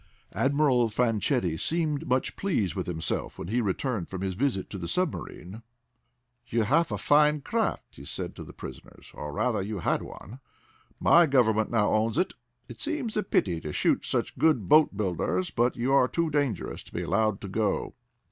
Admiral Fanchetti seemed much pleased with himself when he returned from his visit to the submarine. "You have a fine craft," he said to the prisoners. "Or, rather, you had one. My government now owns it. It seems a pity to shoot such good boat builders, but you are too dangerous to be allowed to go."